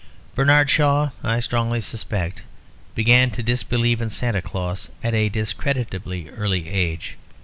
Bernard Shaw (I strongly suspect) began to disbelieve in Santa Claus at a discreditably early age.